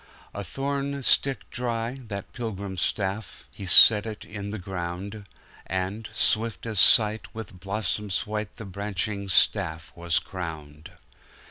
A thorn stick dry, that pilgrim staff, He set it in the ground:And, swift as sight, with blossoms white The branching staff was crowned!